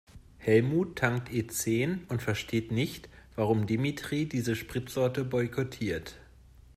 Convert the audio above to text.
Helmut tankt E-zehn und versteht nicht, warum Dimitri diese Spritsorte boykottiert.